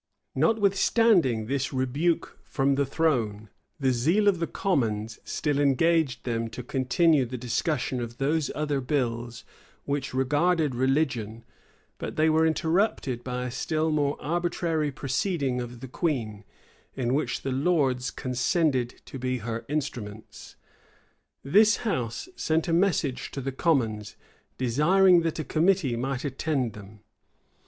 Notwithstanding this rebuke from the throne, the zeal of the commons still engaged them to continue the discussion of those other bills which regarded religion; but they were interrupted by a still more arbitrary proceeding of the queen, in which the lords condescended to be her instruments. This house sent a message to the commons, desiring that a committee might attend them.